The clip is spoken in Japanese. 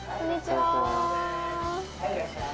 はいいらっしゃい。